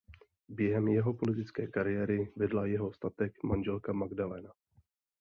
Během jeho politické kariéry vedla jeho statek manželka Magdalena.